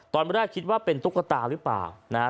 ตอนแรกคิดว่าเป็นตุ๊กตาหรือเปล่านะฮะ